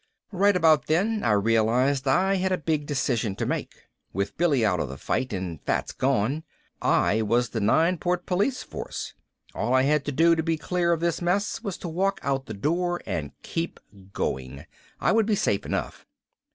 Right about then I realized I had a big decision to make. With Billy out of the fight and Fats gone I was the Nineport police force. All I had to do to be clear of this mess was to walk out the door and keep going. I would be safe enough.